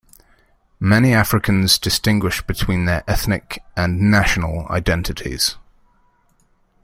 Many Africans distinguish between their ethnic and national identities.